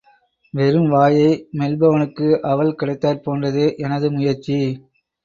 வெறும் வாயை மெல்பவனுக்கு அவல் கிடைத்தாற் போன்றதே எனது முயற்சி.